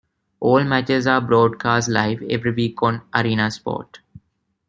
All matches are broadcast live every week on Arenasport.